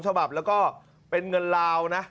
ฉบับแล้วก็เป็นเงินลาวนะ